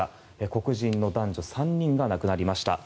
黒人の男女３人が亡くなりました。